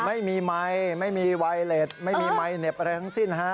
ไม่มีไมค์ไม่มีไวเล็ตไม่มีไมค์เหน็บอะไรทั้งสิ้นฮะ